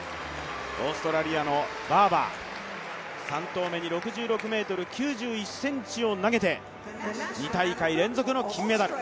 オーストラリアのバーバー、３投目に６６ｍ９１ｃｍを投げて２大会連続の金メダル。